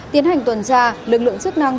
tiến hành tuần tra lực lượng chức năng